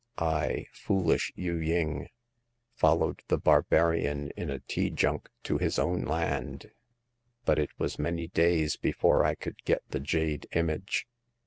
I, foolish Yu ying, fol lowed the barbarian in a tea junk to his own land ; but it was many days before I could get the jade image.